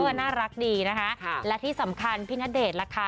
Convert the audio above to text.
น่ารักดีนะคะและที่สำคัญพี่ณเดชน์ล่ะค่ะ